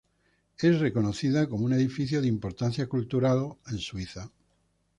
Es reconocida como un edificio de importancia cultural en Suiza.